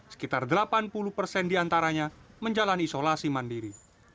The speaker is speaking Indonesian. sekitar delapan puluh persen diantaranya menjalani isolasi mandiri